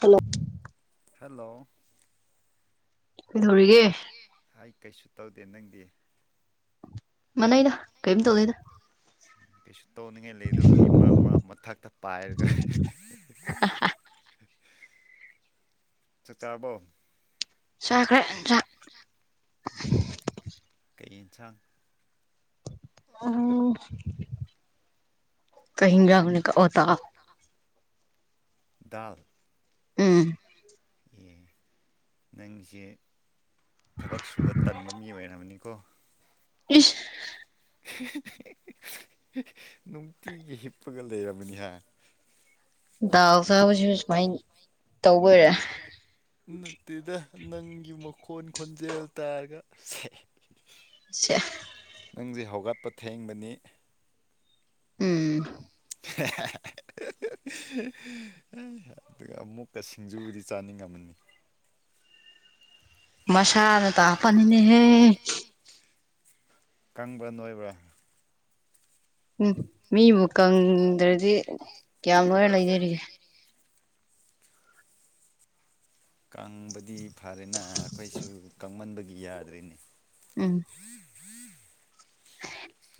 hello hello ꯀꯩꯗꯧꯔꯤꯒꯦ ꯑꯩ ꯀꯩꯁꯨ ꯇꯧꯗꯦ ꯅꯪꯗꯤ ꯃꯅꯩꯗ ꯀꯌꯤꯝ ꯇꯧꯗꯦꯗ ꯀꯩꯁꯨ ꯇꯧꯅꯤꯡꯉꯥꯏ ꯂꯩꯗꯕꯒꯤ ꯃꯔꯥ ꯃꯔꯥꯡ ꯃꯊꯛꯇ ꯄꯥꯏꯔꯒ [unintelligible] ꯆꯥꯛ ꯆꯥꯔꯕꯣ ꯆꯥꯈ꯭ꯔꯦ ꯆꯥꯛ ꯆꯥꯈꯔꯦ ꯆꯥꯈꯔꯦ ꯎꯝ ꯀꯩ ꯌꯦꯟꯁꯥꯡ ꯀꯩꯅ ꯍꯦꯟꯖꯥꯡꯅꯣ ꯀꯥꯎ ꯑꯣ ꯗꯥꯜ ꯗꯥꯜ ꯎꯝ ꯑꯦ ꯅꯪꯁꯦ ꯊꯕꯛ ꯁꯨꯕ ꯇꯟꯕ ꯃꯤ ꯑꯣꯏꯔꯝꯃꯅꯤꯀꯣ ꯏꯁ ꯅꯨꯡꯇꯤꯒꯤ ꯍꯤꯞꯄꯒ ꯂꯩꯔꯕꯅꯤ ꯍꯥ ꯗꯥꯜ ꯆꯥꯕꯁꯤꯁꯨ ꯁꯨꯃꯥꯏ ꯇꯧꯕꯣꯏꯔꯦ ꯅꯠꯇꯦꯗ ꯅꯪꯒꯤ ꯃꯈꯣꯟ ꯈꯣꯟꯖꯦꯜ ꯇꯥꯔꯒ ꯁꯦ ꯁꯦ ꯅꯪꯁꯦ ꯍꯧꯒꯠꯄ ꯊꯦꯡꯕꯅꯤ ꯎꯝ [unintelligible] ꯑꯗꯨꯒ ꯑꯃꯨꯛꯀ ꯁꯤꯡꯖꯨꯕꯨꯗꯤ ꯆꯥꯅꯤꯡꯉꯝꯃꯅꯤ ꯃꯁꯥꯅ ꯇꯥꯄꯅꯤꯅꯦ ꯍꯦ ꯀꯪꯕ꯭ꯔꯥ ꯅꯣꯏꯕ꯭ꯔꯥ ꯎꯝ ꯃꯤꯕꯨ ꯀꯪꯗ꯭ꯔꯗꯤ ꯀꯌꯥꯝ ꯅꯣꯏꯔ ꯂꯩꯗꯣꯔꯤꯒꯦ ꯀꯪꯕꯗꯤ ꯐꯔꯦꯅ ꯑꯩꯈꯣꯏꯁꯨ ꯀꯪꯃꯟꯕꯒꯤ ꯌꯥꯗ꯭ꯔꯦꯅꯦ ꯎꯝ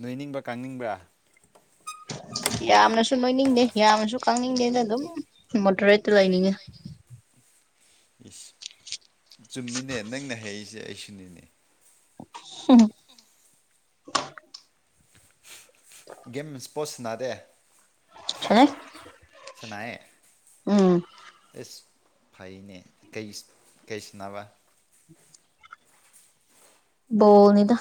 ꯅꯣꯏꯅꯤꯡꯕ꯭ꯔ ꯀꯪꯅꯤꯡꯕ꯭ꯔꯥ ꯌꯥꯝꯅꯁꯨ ꯅꯣꯏꯅꯤꯡꯗꯦ ꯌꯥꯝꯅꯁꯨ ꯀꯪꯅꯤꯡꯗꯦꯗ ꯑꯗꯨꯝ ꯃꯣꯗꯔꯦꯠꯇ ꯂꯩꯅꯤꯡꯉꯦ ꯏꯁ ꯆꯨꯝꯃꯤꯅꯦ ꯅꯪꯅ ꯍꯩꯏꯁꯦ ꯑꯩꯁꯨꯅꯤꯅꯦ [unintelligible] ꯒꯦꯝ ꯏꯁꯄꯣꯔꯠ ꯁꯥꯅꯗꯦ ꯁꯥꯟꯅꯩ ꯁꯥꯅꯥꯏꯑꯦ ꯎꯝ ꯏꯁ ꯐꯩꯅꯦ ꯀꯩ ꯀꯩꯁꯥꯟꯅꯕ ꯕꫭꯜꯅꯤꯗ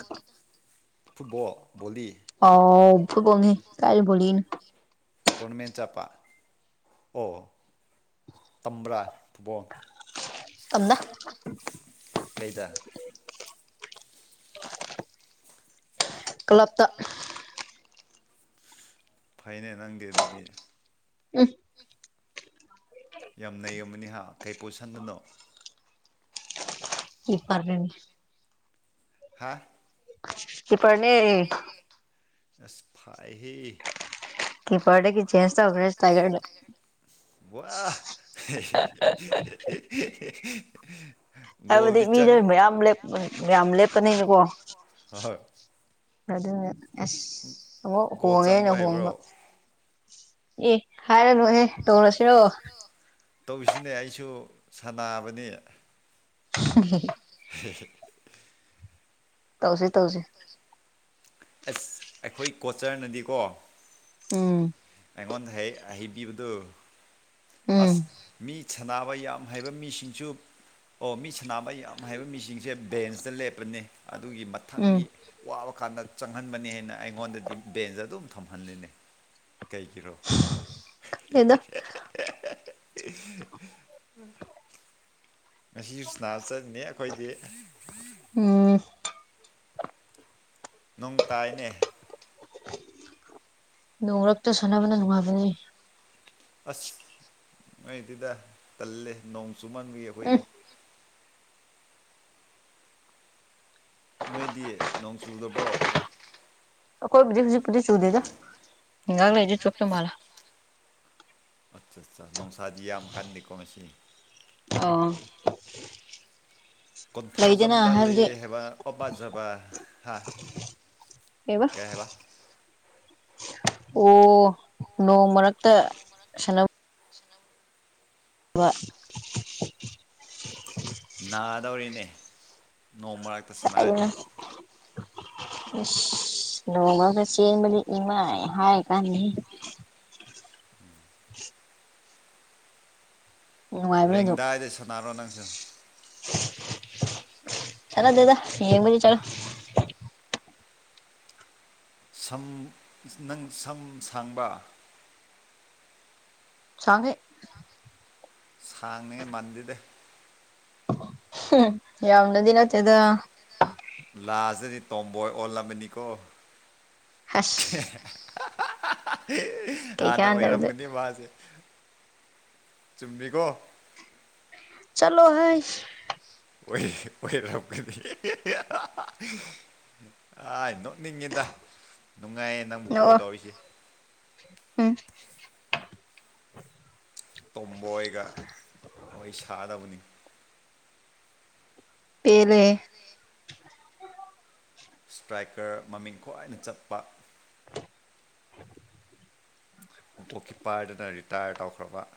ꯐꯨꯠꯕꯣꯜ ꯕꯣꯂꯤ ꯑꯣ ꯐꯨꯠꯕꯣꯜꯅꯤ ꯀꯥꯏ ꯕꯣꯂꯤꯅꯣ ꯇꯣꯔꯅꯥꯃꯦꯟ ꯆꯠꯄꯥ ꯑꯣ ꯇꯝꯕ꯭ꯔꯥ ꯐꯨꯠꯕꯣꯜ ꯇꯝꯗ ꯀꯩꯗ ꯀ꯭ꯂꯞꯇ ꯐꯩꯅꯦ ꯅꯪꯗꯤ ꯑꯗꯨꯗꯤ ꯎꯝ ꯌꯥꯝ ꯅꯩꯕꯅꯤꯍ ꯀꯩ ꯄꯣꯠꯁꯟꯗꯅꯣ ꯏꯄꯥꯔꯅꯤ [unintelligible] ꯍꯥ ꯀꯤꯄꯔꯅꯦ ꯑꯁ ꯐꯥꯏ ꯍꯦ ꯀꯤꯄꯔꯗꯒꯤ ꯆꯦꯟꯁ ꯇꯧꯈ꯭ꯔꯦ ꯏꯁꯇꯥꯔꯀꯔꯗ ꯋꯥ [unintelligible] ꯍꯥꯏꯕꯗꯤ ꯒꯣꯜꯗꯤ ꯃꯤꯗ ꯆꯪ ꯃꯌꯥꯝꯂꯦꯞ ꯌꯥꯝ ꯂꯦꯞꯄꯅꯤꯅꯀꯣ ꯂꯦꯞꯄꯅꯦꯕꯀꯣ ꯍꯣꯏ ꯍꯣꯏ ꯑꯗꯨꯅ ꯑꯁ ꯑꯃꯨꯛ ꯒꯣꯜ ꯍꯣꯡꯉꯦꯅ ꯆꯪꯕ ꯍꯩꯕ꯭ꯔꯣ ꯍꯣꯡꯕ ꯑꯦ ꯍꯥꯏꯔꯅꯨꯍꯦ ꯇꯧꯔꯁꯤꯔꯣ ꯇꯧꯁꯤꯅꯦ ꯑꯩꯁꯨ ꯁꯥꯟꯕꯅꯤ [unintelligible] ꯍꯦ ꯍꯦ ꯇꯧꯁꯤ ꯇꯧꯁꯤ ꯑꯁ ꯑꯈꯣꯏ ꯀꯣꯆꯔꯅꯗꯤꯀꯣ ꯎꯝ ꯑꯩꯉꯣꯟꯗ ꯍꯌꯦ ꯍꯥꯢꯕꯤꯕꯗꯨ ꯎꯝ ꯑꯥꯁ ꯃꯤ ꯁꯥꯟꯅꯕ ꯌꯥꯝ ꯍꯥꯏꯕ ꯃꯤꯁꯤꯡꯁꯨ ꯑꯣ ꯃꯤ ꯁꯥꯟꯅꯕ ꯌꯥꯝ ꯍꯥꯏꯕ ꯃꯤꯁꯤꯡꯁꯦ ꯕꯦꯟꯁꯇ ꯂꯦꯞꯄꯅꯦ ꯑꯗꯨꯒꯤ ꯎꯝ ꯃꯊꯪꯒꯤ ꯋꯥꯕ ꯀꯥꯟꯗ ꯆꯪꯍꯟꯕꯅꯤ ꯍꯥꯏꯅ ꯑꯩꯉꯣꯟꯗꯗꯤ ꯕꯦꯟꯁꯇ ꯑꯗꯨꯝ ꯊꯝꯍꯜꯂꯤꯅꯦ ꯀꯩꯒꯤꯔꯣ ꯈꯪꯗꯦꯗ ꯉꯁꯤꯁꯨ ꯁꯥꯟꯅꯕ ꯆꯠꯅꯤ ꯑꯈꯣꯏꯗꯤ ꯎꯝ ꯅꯣꯡ ꯇꯥꯏꯌ‌ꯦꯅꯦ ꯅꯣꯡꯔꯛꯇ ꯁꯥꯟꯅꯕꯅ ꯅꯨꯡꯉꯥꯢꯕꯅꯦ ꯑꯁ ꯅꯨꯡꯉꯥꯢꯇꯦꯗ ꯇꯜꯂꯦ ꯅꯣꯡ ꯆꯨꯃꯟꯕꯒꯤ ꯑꯈꯣꯏꯗꯤ ꯎꯝ ꯅꯣꯏꯗꯤ ꯅꯣꯡ ꯆꯨꯗꯕꯔꫭ ꯑꯈꯣꯏꯕꯨꯗꯤ ꯍꯧꯖꯤꯛ ꯄꯨꯗꯤ ꯆꯨꯗꯦꯗ ꯉꯍꯥꯛ ꯑꯣ ꯂꯩꯔꯗꯤ ꯆꯨꯔꯛꯇꯧ ꯃꯥꯜꯂꯦ ꯑꯠꯆꯥ ꯑꯠꯆꯥ ꯅꯨꯡꯁꯥꯗꯤ ꯌꯥꯝ ꯀꯟꯗꯦꯀꯣ ꯉꯁꯤ ꯑꯣ ꯂꯩꯗꯅ ꯀꯣꯟꯊꯧꯖꯝꯗ ꯍꯥꯏꯕꯗꯤ ꯂꯩꯌꯦ ꯍꯥꯏꯕ ꯑꯣ ꯄ ꯖꯕ [unintelligible] ꯍꯥ ꯀꯩꯕ ꯀꯩ ꯍꯥꯏꯕ ꯑꯣ ꯅꯣꯡ ꯃꯔꯛꯇ ꯁꯥꯟꯅ ꯕ ꯅꯥꯗꯧꯔꯦꯅꯦ ꯅꯣꯡ ꯃꯔꯛ ꯑꯗꯨ [unintelligible] ꯑꯁ ꯅꯣꯡ ꯃꯔꯛꯇ ꯆꯦꯟꯕꯗꯤ ꯏꯃꯥꯏ ꯍꯥꯏ ꯀꯥꯟꯗꯦꯍꯦ [unintelligible] ꯅꯨꯡꯉꯥꯏꯕꯅꯤ ꯔꯦꯡꯗꯥꯏꯗ ꯁꯥꯟꯅꯔꯣ ꯅꯪꯁꯨ ꯁꯥꯟꯅꯗꯦꯗ ꯌꯦꯡꯕꯗꯤ ꯆꯠꯂꯤ ꯁꯝ ꯅꯪ ꯁꯝ ꯁꯥꯡꯕ꯭ꯔꯥ ꯁꯥꯡꯉꯤ ꯁꯥꯡꯅꯤꯉꯥꯢ ꯃꯥꯟꯗꯦꯗ ꯎꯝ‌ ꯌꯥꯝꯅꯗꯤ ꯅꯠꯇꯦꯗ ꯂꯥꯁ ꯇꯗꯤ ꯇꯣꯝꯕꯣꯏ ꯑꯣꯜꯂꯝꯃꯅꯤꯀꯣ ꯍꯁ ꯍꯥꯟꯅ ꯀꯩꯀꯥꯟꯗꯕꯗ ꯑꯣꯏꯔꯝꯒꯅꯤ ꯃꯥꯁꯦ ꯆꯨꯝꯃꯤꯀꯣ ꯆꯠꯂꯣ ꯍꯦ ꯑꯣꯏ ꯑꯣꯏꯔꯝꯒꯅꯤ ꯑꯥꯏ ꯅꯣꯛꯅꯤꯡꯉꯦꯗ ꯅꯨꯡꯉꯥꯏꯌꯦ ꯅꯪꯕꯨ ꯀꯣꯜ ꯅꯣꯛꯑꯣ ꯇꯧꯔꯤꯁꯦ ꯎꯝ ꯇꯣꯝꯕꯣꯏꯒ ꯋꯥꯔꯤ ꯁꯒꯗꯕꯅꯤ ꯄꯦꯜꯂꯦ ꯏꯁ꯭ꯇ꯭ꯔꯥꯏꯀꯔ ꯃꯃꯤꯡ ꯈ꯭ꯋꯥꯏꯅ ꯆꯠꯄ ꯒꯣꯜꯀꯤꯞꯄꯔꯗꯨꯅ ꯔꯤꯇꯥꯌꯔ ꯇꯧꯈ꯭ꯔꯕ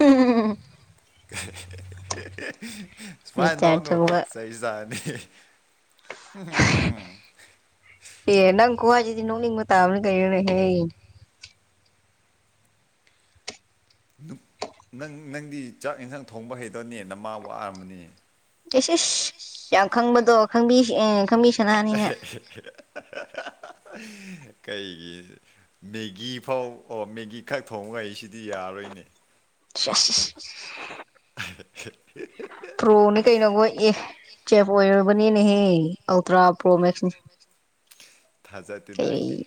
ꯎꯝ ꯁꯨꯃꯥꯏ ꯔꯤꯆꯥꯔꯖ ꯅꯣꯅꯣ ꯇꯧꯕ ꯅꯩꯖꯥꯅꯤ ꯑꯦ ꯅꯪ ꯈꯨꯍꯥꯏꯁꯤꯗꯤ ꯅꯣꯛꯅꯤꯡꯕ ꯇꯥꯕꯅꯦ ꯀꯩꯅꯣ ꯅꯦ ꯍꯦ ꯅꯪ ꯅꯪꯗꯤ ꯆꯥꯛ ꯏꯟꯁꯥꯡ ꯊꯣꯡꯕ ꯍꯩꯇꯕꯅꯤ ꯅꯃꯥꯥ ꯋꯥꯔꯝꯃꯅꯤ ꯏꯁ ꯑꯦꯁ ꯏꯁ ꯑꯦꯁ ꯌꯥꯝ ꯈꯪꯕꯗꯣ ꯈꯪꯕꯤ ꯑꯦ ꯈꯪꯕꯤꯈ꯭ꯔꯦ ꯈꯪꯕꯤ ꯁꯅꯥꯅꯤꯅ ꯈꯪꯕꯤꯈ꯭ꯔꯦ ꯀꯩꯒꯤ ꯃꯦꯒꯤ ꯐꯥꯎ ꯑꯣ ꯃꯦꯒꯤ ꯈꯛ ꯊꯣꯡꯕ ꯍꯩꯁꯤꯗꯤ ꯌꯥꯔꯣꯏꯅꯦ [unintelligible] [unintelligible] ꯄ꯭ꯔꯣꯅꯤ ꯀꯩꯅꯣ ꯈꯣꯏ ꯑꯦ ꯆꯦꯐ ꯑꯣꯏꯔꯕꯅꯤꯅꯦ ꯍꯦ ꯑꯥꯜꯇ꯭ꯔꯥ [unintelligible] ꯊꯖꯥꯗꯦꯗ ꯑꯩꯗꯤ ꯀꯩ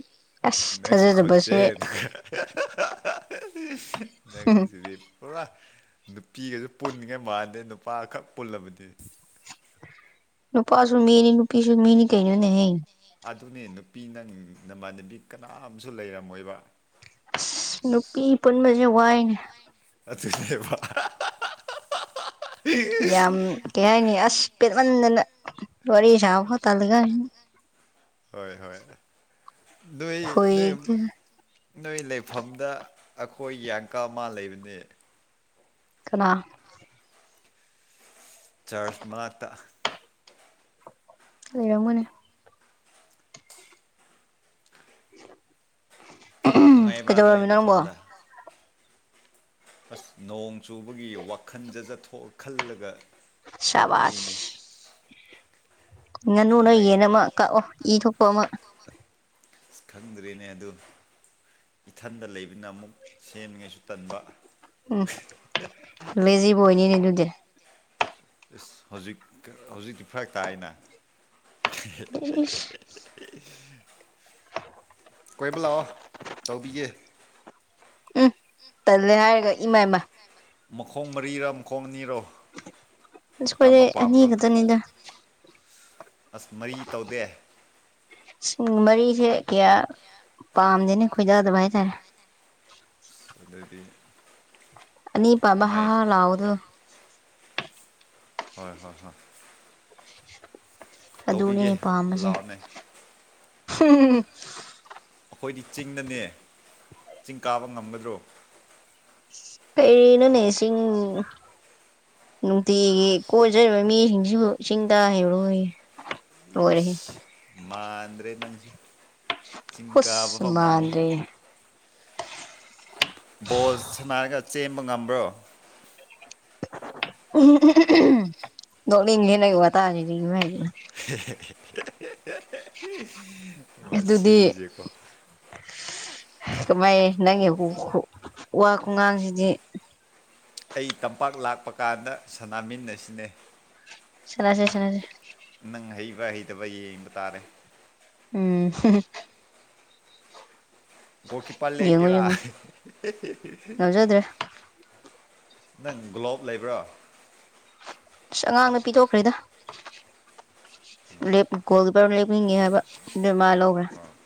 ꯑꯁ ꯅꯪꯒꯤ ꯊꯥꯖꯗꯕꯁꯦ ꯈꯣꯟꯖꯦꯜꯗꯨꯒ [unintelligible] ꯎꯝ ꯅꯪꯁꯤꯗꯤ ꯄꯨꯔꯥ ꯅꯨꯄꯤꯒ ꯄꯨꯟꯉꯩ ꯃꯥꯟꯗꯦ ꯅꯨꯄꯥꯈꯛ ꯄꯨꯜꯂꯕꯗꯤ ꯅꯨꯄꯥꯁꯨ ꯃꯤꯅꯤ ꯅꯨꯄꯤꯁꯨ ꯃꯤꯅꯤ ꯀꯩꯩꯅꯣꯅꯦ ꯍꯦ ꯑꯗꯨꯅꯦ ꯅꯨꯄꯤ ꯅꯪ ꯅꯃꯥꯟꯅꯕꯤ ꯀꯅꯥꯝꯁꯨ ꯂꯩꯔꯝꯃꯣꯏꯕ ꯑꯁ ꯅꯨꯄꯤ ꯄꯨꯟꯕꯖꯦ ꯋꯥꯏꯅꯦ ꯑꯗꯨꯅꯦꯕ [unintelligible] [inaudible] ꯌꯥꯝ ꯀꯩ ꯍꯥꯏꯅꯤ ꯑꯁ ꯄꯦꯠꯃꯟꯗꯅ ꯋꯥꯔꯤ ꯁꯥꯕꯐꯧ ꯇꯟꯂꯥꯀꯟꯁꯤꯗ [inaudible] ꯍꯣꯏ ꯍꯣꯏ ꯅꯣꯏ ꯈꯣꯏ ꯅꯣꯏ ꯅꯣꯏ ꯂꯩꯐꯝꯗ ꯑꯩꯈꯣꯏꯒꯤ ꯑꯟꯀꯜ ꯑꯃ ꯂꯩꯕꯅꯦ ꯀꯅꯥ ꯆꯔ꯭ꯆ ꯃꯅꯥꯛꯇ ꯂꯩꯔꯝꯒꯅꯤ ꯅꯨꯡꯉꯥꯏꯕ꯭ꯔꯥ ꯅꯣꯏ ꯀꯩꯗꯧꯔꯝꯃꯤꯅꯣ ꯅꯪꯕꯣ ꯃꯐꯝꯗ ꯑꯁ ꯅꯣꯡ ꯆꯨꯕꯒꯤ ꯋꯥꯈꯟ ꯖꯥꯖꯠ ꯊꯣꯛ ꯈꯟꯂꯥꯒ ꯁꯕꯥꯁ ꯉꯥꯅꯨ ꯔꯥ ꯅꯨꯡꯉꯥꯏ ꯌꯦꯟ ꯂꯥ ꯑꯃ ꯀꯛꯑꯣ ꯏ ꯊꯣꯛꯄ ꯑꯃ ꯑꯁ ꯈꯪꯗ꯭ꯔꯅꯦ ꯑꯗꯨ ꯏꯊꯟꯗ ꯂꯩꯕꯅꯤꯅ ꯑꯃꯨꯛ ꯁꯦꯝꯅꯤꯉꯥꯏꯁꯨ ꯇꯟꯕ ꯎꯝ ꯂꯦꯖꯤꯕꯣꯏꯅꯤꯅꯦ ꯑꯗꯨꯗꯤ ꯏꯁ ꯍꯧꯖꯤꯛ ꯍꯧꯖꯤꯛꯇꯤ ꯐ꯭ꯔꯥꯛ ꯇꯥꯏꯌꯦꯅ ꯏꯁ ꯀꯣꯏꯕ ꯂꯥꯛꯑꯣ ꯇꯧꯕꯤꯒꯦ ꯎꯝ ꯇꯜꯂꯦ ꯍꯥꯏꯔꯒ ꯏꯃꯥ ꯏꯃꯥ ꯃꯈꯣꯡ ꯃꯔꯤꯔꯥ ꯃꯈꯣꯡ ꯑꯅꯤꯔꯣ ꯑꯁ ꯑꯩꯈꯣꯏꯗꯤ ꯀꯔꯝꯕ ꯑꯅꯤ ꯄꯥꯝꯕ꯭ꯔꯣ ꯈꯥꯇꯅꯤꯗ ꯑꯁ ꯃꯔꯤ ꯇꯧꯗꯦ ꯁꯨꯝ ꯃꯔꯤꯁꯦ ꯀꯌꯥ ꯄꯥꯝꯗꯦꯅ ꯈꯣꯏꯗꯥꯗꯕ ꯍꯥꯏꯇꯥꯔꯦ ꯑꯗꯨꯗꯤ ꯑꯥꯅꯤ ꯄꯥꯟꯕ ꯍꯥ ꯅꯨꯡꯉꯥꯏ ꯍꯥ ꯂꯥꯎꯕꯗꯨ ꯍꯣꯏ ꯍꯣꯏ ꯍꯣꯏ ꯑꯗꯨꯅꯤꯅꯦ ꯇꯧꯕꯤꯒꯦ ꯄꯥꯝꯕꯁꯦ ꯂꯥꯛꯑꯣꯅꯦ ꯑꯩꯈꯣꯏꯗꯤ ꯆꯤꯡꯗꯅꯦ ꯆꯤꯡ ꯀꯥꯕ ꯉꯝꯒꯗ꯭ꯔꯣ ꯀꯩꯔꯤ ꯅꯣꯅꯦ ꯆꯤꯡ ꯅꯨꯡꯇꯤꯒꯤ ꯀꯣꯏꯖꯔꯤꯕ ꯃꯤꯁꯤꯡꯁꯤꯕꯨ ꯆꯤꯡ ꯀꯥ ꯍꯩꯔꯣꯏꯌꯦ ꯏꯁ ꯃꯥꯟꯗ꯭ꯔꯦ ꯅꯪꯁꯦ ꯆꯤꯡꯀꯥꯕ ꯍꯨꯁ ꯐꯥꯎ ꯉꯝꯃꯣꯏ ꯃꯥꯟꯗ꯭ꯔꯦ ꯕꯣꯜ ꯁꯥꯟꯅꯔꯒ ꯆꯦꯟꯕ ꯉꯝꯕ꯭ꯔꯣ ꯅꯣꯛꯅꯤꯡꯉꯦ ꯅꯪ ꯋꯥꯇꯥꯁꯤꯗꯤ ꯏꯃꯩ ꯍꯦ ꯍꯦ ꯍꯦ ꯍꯦ ꯍꯦ ꯑꯗꯨꯗꯤ ꯀꯃꯥꯏ ꯅꯪꯒꯤ ꯎꯝ ꯋꯥ ꯈꯨꯉꯥꯡꯁꯤꯗꯤ ꯑꯩ ꯇꯝꯄꯥꯛ ꯂꯥꯛꯄ ꯀꯥꯟꯗ ꯁꯥꯅꯃꯤꯟꯅꯁꯤꯅꯦ ꯁꯥꯟꯅꯁꯤ ꯁꯥꯟꯅꯁꯤ ꯅꯪ ꯍꯩꯕ ꯍꯩꯇꯕ ꯌꯦꯡꯕ ꯇꯥꯔꯦ ꯎꯝ ꯒꯣꯜ ꯀꯤꯄꯥꯔ ꯌꯦꯡꯉꯣ ꯂꯦꯞꯀꯦꯔꯥ ꯌꯦꯡꯉꯣ ꯉꯝꯖꯗ꯭ꯔꯦ ꯅꯪ ꯒꯂꯣꯞ ꯂꯩꯕ꯭ꯔꯥ ꯑꯁ ꯑꯉꯥꯡꯗ ꯄꯤꯊꯣꯛꯈ꯭ꯔꯦꯗ ꯂꯦꯞ ꯒꯣꯜ ꯀꯤꯄꯔ ꯂꯦꯞꯅꯤꯡ ꯉꯦ ꯍꯥꯏꯕ ꯑꯗꯨꯏ ꯃꯥꯅ ꯂꯧꯒ꯭ꯔꯦ ꯋꯥꯔꯜ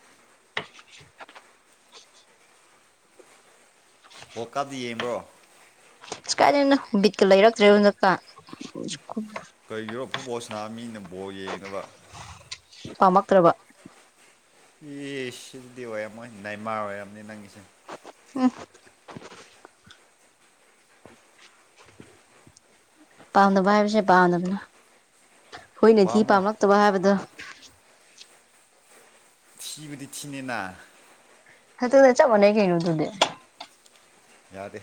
ꯋꯥꯔꯜ ꯀꯞꯇꯤ ꯌꯦꯡꯕ꯭ꯔꯣ ꯀꯥꯏꯗꯩ ꯅꯣ ꯕꯤꯠꯀ ꯂꯩꯔꯛꯇ꯭ꯔꯦ ꯍꯟꯗꯛꯀ ꯀꯔꯤꯒꯤꯔꯣ ꯐꯨꯠꯕꯣꯜ ꯁꯥꯅꯕ ꯃꯤꯅ ꯕꯣꯜ ꯌꯦꯡꯗꯕ ꯄꯥꯝꯃꯛꯇ꯭ꯔꯕ ꯑꯦ ꯁꯤꯗꯤ ꯑꯣꯏꯔꯝꯃꯣꯏ ꯅꯦꯃꯥꯔ ꯑꯣꯏꯔꯝꯅꯤ ꯅꯪꯒꯤꯁꯦ ꯎꯝ ꯄꯥꯝꯗꯕ ꯍꯥꯏꯕꯁꯦ ꯄꯥꯝꯗꯕ ꯍꯨꯏꯅ ꯊꯤ ꯄꯥꯝꯃꯣ ꯄꯥꯝꯂꯛꯇꯕ ꯍꯥꯏꯕꯗꯣ ꯊꯤꯕꯗꯤ ꯊꯤꯅꯤꯅ ꯑꯗꯨꯒ ꯆꯞ ꯃꯥꯟꯅꯩ ꯀꯩꯅꯣ ꯑꯗꯨꯗꯤ ꯌꯥꯗꯦ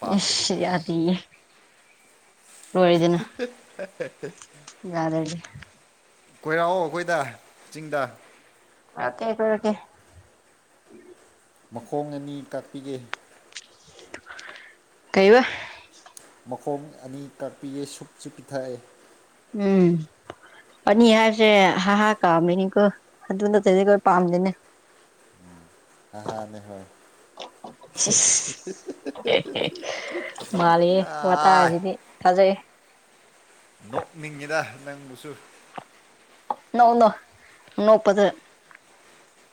ꯄꯥꯝꯗꯦ ꯏꯁ ꯌꯥꯗꯦꯌꯦ ꯍꯦ ꯍꯦ ꯍꯦ ꯌꯥꯗꯔꯗꯤ ꯀꯣꯏꯔꯛꯑꯣ ꯑꯩꯈꯣꯏꯗ ꯆꯤꯡꯗ ꯀꯣꯏꯔꯛꯀꯦ ꯀꯣꯏꯔꯛꯀꯦ ꯃꯈꯣꯡ ꯑꯅꯤ ꯀꯥꯛꯄꯤꯒꯦ ꯀꯩꯕ ꯃꯈꯣꯡ ꯑꯅꯤ ꯀꯥꯛꯄꯤꯌꯦ ꯁꯨꯞꯁꯤ ꯄꯤꯊꯛꯑꯦ ꯎꯝ ꯑꯅꯤ ꯍꯥꯏꯕꯁꯦ ꯍꯥꯍ ꯀꯥꯝꯃꯤꯅꯤꯀꯣ ꯑꯗꯨ ꯅꯠꯇꯗꯤ ꯑꯩꯈꯣꯏ ꯄꯥꯝꯗꯦꯅꯦ ꯍꯍꯥꯅꯦ ꯍꯣꯏ ꯎꯝ ꯏꯁ ꯃꯥꯜꯂꯤꯍꯦ ꯑꯥꯏ ꯋꯥꯇꯥꯁꯤꯗꯤ ꯊꯥꯖꯩ ꯅꯣꯛꯅꯤꯡꯉꯤꯗ ꯅꯪꯕꯨꯁꯨ ꯅꯣꯛ ꯅꯣꯛꯑꯣ ꯅꯣꯛꯄꯗꯣ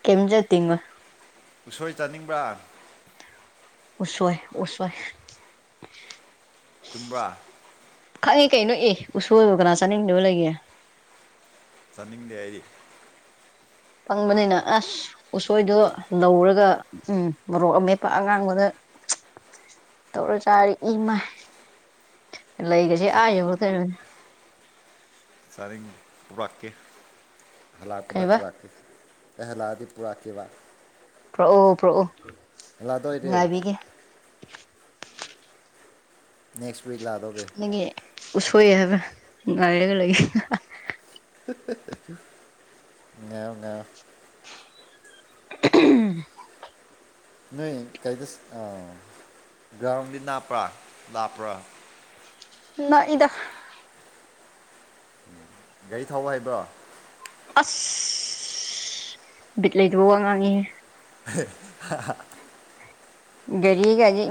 ꯀꯩꯝꯇꯁꯨ ꯇꯤꯡ ꯉꯣꯏ ꯎꯁꯣꯏ ꯆꯥꯅꯤꯡꯕ꯭ꯔꯥ ꯎꯁꯣꯏ ꯎꯁꯣꯏ ꯆꯨꯝꯕ꯭ꯔꯥ ꯈꯪꯉꯤ ꯀꯩꯅꯣ ꯏ ꯎꯁꯣꯔꯗꯨ ꯀꯅꯥ ꯆꯥꯅꯤꯡꯗꯕ ꯂꯩꯒꯦ ꯆꯥꯅꯤꯡꯗꯦ ꯍꯥꯏꯗꯤ ꯐꯪꯕꯅꯤꯅ ꯑꯁ ꯎꯁꯣꯏꯗꯣ ꯂꯧꯔꯒ ꯎꯝ ꯃꯣꯔꯣꯛ ꯑꯃꯦꯠꯄ ꯑꯉꯥꯡꯕꯗ ꯇꯧꯔ ꯆꯔ ꯏꯃ ꯂꯥꯏꯒꯁꯤ ꯑ ꯌꯕ ꯊ ꯁꯔꯦꯡ ꯄꯕꯥꯥꯀꯦ ꯍꯥꯂꯠꯗ ꯀꯩꯕ ꯐꯕꯥꯀꯦ ꯑꯦꯍꯂꯥꯗꯤꯄꯨꯔꯥꯀꯤꯕꯥ ꯄ꯭ꯔꯣꯑꯣ ꯄ꯭ꯔꯣꯑꯣ ꯂꯥꯗꯣꯏꯔꯦ ꯅꯦꯛꯁ ꯋꯤꯛ ꯂꯥꯗꯧꯒꯦ ꯅꯪꯒꯤ ꯎꯁꯣꯏ ꯍꯥꯏꯕ ꯉꯥꯏꯔꯒ ꯂꯩꯒ ꯉ ꯉ ꯎ ꯅꯣꯏ ꯀꯩꯗ ꯒ꯭ꯔꯥꯎꯟꯗꯤ ꯅꯥꯞꯄ꯭ꯔꯥ ꯂꯥꯞꯄ꯭ꯔꯥ ꯅ ꯏꯗ ꯎꯝ ꯒꯥꯔꯤ ꯊꯥꯎꯧꯕ ꯍꯥꯏꯕ꯭ꯔꯣ ꯑꯁ ꯕꯤꯠꯂꯗꯨ ꯋꯥ ꯉꯥꯡꯉꯤꯦ ꯍ ꯍ ꯍ ꯒꯥꯔꯤꯒꯒꯥꯒꯤ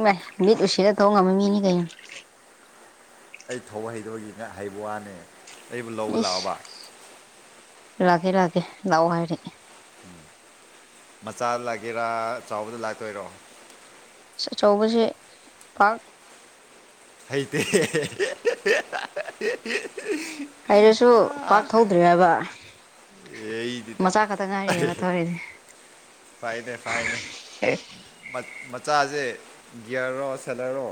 ꯃꯤꯠ ꯎꯁꯤꯗ ꯊꯧꯕ ꯉꯝꯕ ꯃꯤꯅꯤ ꯀꯩꯅꯣ ꯑꯩ ꯊꯧꯕ ꯍꯩꯗꯕꯒꯤ ꯉ ꯍꯩꯕ ꯋꯥꯅꯦ ꯑꯩꯕꯨ ꯂꯧꯕ ꯂꯥꯛꯑꯕ ꯂꯥꯛꯒꯦ ꯂꯥꯛꯀꯦ ꯂꯑꯣ ꯍꯥꯏꯔꯛ ꯃꯆꯥ ꯂꯥꯛꯒꯦꯔꯥ ꯆꯥꯎꯕꯗ ꯂꯥꯛꯇꯣꯏꯔꯣ ꯑꯆꯧꯕꯁ ꯄꯥꯛ ꯑꯥꯏꯇ ꯍꯥꯏꯔꯁꯨ ꯄꯥꯛ ꯊꯧꯗ꯭ꯔꯦ ꯍꯥꯏꯕ ꯑꯦꯗꯤꯗ ꯃꯆꯥ ꯈꯛꯇ ꯉꯥꯏꯔꯤꯑꯕ ꯊꯧꯔꯤꯁꯦ ꯐꯥꯏꯗꯦ ꯐꯥꯏꯗꯦ ꯃꯆꯥꯁꯦ ꯒꯤꯒꯌꯔꯔꯣ ꯁꯦꯂꯔꯣ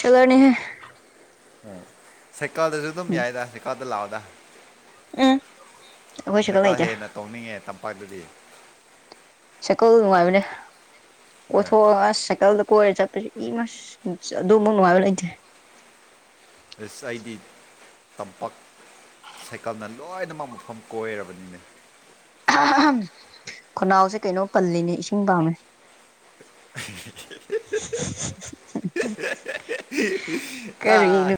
ꯁꯂꯅꯤ ꯎꯝ ꯁꯥꯏꯀꯥꯜꯗꯁꯨ ꯑꯗꯨꯝ ꯌꯥꯏꯗ ꯁꯩꯀꯥꯜꯗ ꯂꯥꯛꯑꯣꯗ ꯎꯝ ꯑꯩꯈꯣꯏ ꯁꯥꯏꯀꯜ ꯁꯩꯀꯥ ꯂꯩꯇꯦ ꯍꯦꯟꯅ ꯇꯧꯅꯤꯡꯉꯦ ꯇꯝꯄꯥꯛꯇꯗꯤ ꯁꯥꯏꯀꯜ ꯅꯨꯡꯉꯥꯏꯕꯅꯦ ꯍꯣꯏ ꯑꯣꯊꯣꯛꯑꯒ ꯑꯁ ꯁꯥꯏꯀꯜꯗ ꯀꯣꯏꯔꯦ ꯆ ꯏꯃ ꯑꯗꯨꯃ ꯅꯨꯡꯉꯥꯏꯕ ꯂꯩꯇꯦ ꯑꯦꯁ ꯑꯥꯏ ꯗꯤ ꯇꯝꯄꯥꯛꯛ ꯁꯥꯏꯀꯜꯅ ꯂꯣꯏꯅꯃꯛ ꯃꯐꯝ ꯀꯣꯏꯔꯕꯅꯤꯅꯦ ꯈꯅꯥꯎꯁꯦ ꯀꯩꯅꯣ ꯄꯜꯂꯤꯅꯦ ꯏꯁꯤꯡ ꯄꯥꯃꯦ ꯀꯔꯤꯅ ꯑꯥ